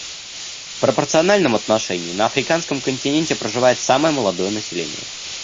В пропорциональном отношении на Африканском континенте проживает самое молодое население.